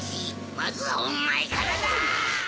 まずはおまえからだ！